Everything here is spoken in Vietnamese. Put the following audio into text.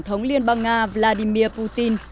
tổng bí thư nguyễn phú trọng